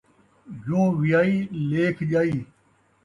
جوں ویائی، لیکھ ڄائی